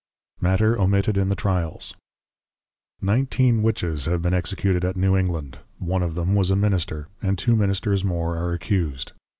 _ MATTER OMITTED IN THE TRIALS. Nineteen Witches have been Executed at New England, one of them was a Minister, and two Ministers more are Accus'd.